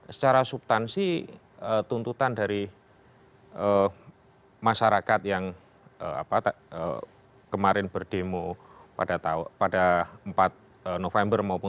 secara subtansi tuntutan dari masyarakat yang kemarin berdemo pada empat november